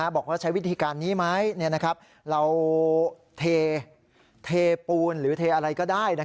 บอกว่าใช้วิธีการนี้ไหมเราเทปูนหรือเทอะไรก็ได้